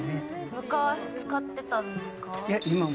昔使ってたんですか？